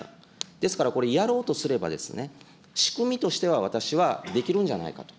ですから、これ、やろうとすればですね、仕組みとしては、私はできるんじゃないかと。